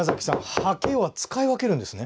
刷毛は使い分けるんですね？